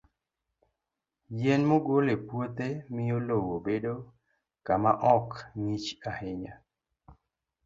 Yien mogol e puodho miyo lowo bedo kama ok ng'ich ahinya.